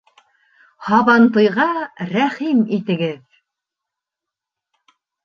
Һабантуйға рәхим итегеҙ!